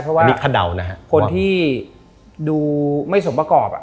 เพราะว่าคนที่ดูไม่ส่งประกอบ